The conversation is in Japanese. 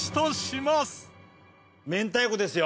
明太子ですよ。